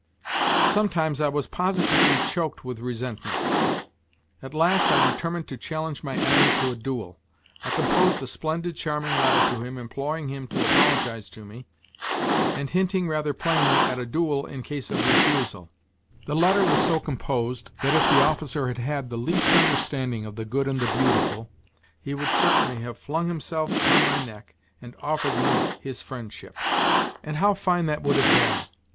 Sometimes I was positively choked with resentment. At last I d' tcniiincd to challenge my enemy to a duel. I composed a splendid, charming letter to him, imploring him to apologize to me, and hinting rather plainly at a duel in case of refusal. The letter was so composed that if the officer had had the least NOTES FROM UNDERGROUND 89 understanding of the good and the beautiful he would certainly haye flung himself on my neck and have offered me his friendship. And how fine that would have been